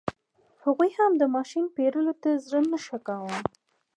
هغوی هم د ماشین پېرلو ته زړه نه ښه کاوه.